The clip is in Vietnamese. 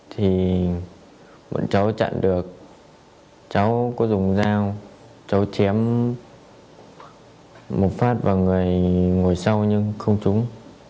thì bọn cháu chặn được cháu có dùng dao cháu chém mục phát vào người ngồi sau nhưng không trúng